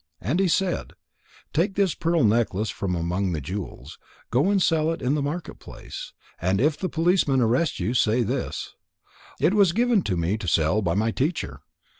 And he said: "Take this pearl necklace from among the jewels. Go and sell it in the market place. And if the policemen arrest you, say this: It was given to me to sell by my teacher.'"